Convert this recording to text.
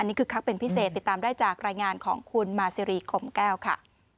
คึกคักเป็นพิเศษติดตามได้จากรายงานของคุณมาซีรีคมแก้วค่ะ